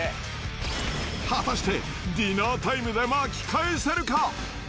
果たして、ディナータイムで巻き返せるか。